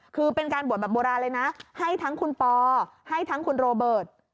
คือเป็นการบวชแบบโบราณเลยนะให้ทั้งคุณปอให้ทั้งคุณโรเบิร์ต